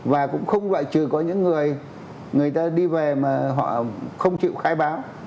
và cũng không loại trừ có những người người ta đi về mà họ không chịu khai báo